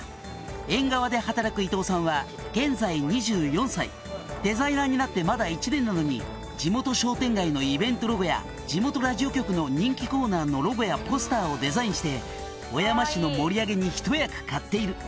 「ＥＮＧＡＷＡで働く伊藤さんは現在２４歳」「デザイナーになってまだ１年なのに地元商店街のイベントロゴや地元ラジオ局の人気コーナーのロゴやポスターをデザインして小山市の盛り上げにひと役買っている」